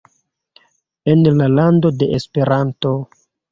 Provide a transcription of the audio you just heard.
en la lando de Esperanto